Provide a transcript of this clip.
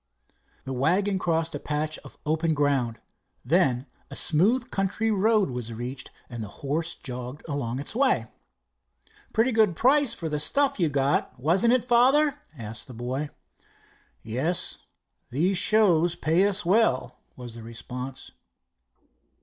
The wagon crossed a patch of open ground. Then a smooth country road was reached and the horse jogged along his way. "Pretty good price for the stuff you got, wasn't it, father?" asked the boy. "Yes, these shows pay us well," was the response.